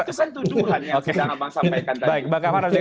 itu kan tuduhan yang sedang abang sampaikan tadi